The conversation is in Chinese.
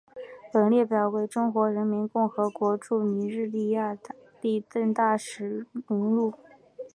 本列表为中华人民共和国驻尼日利亚历任大使名录。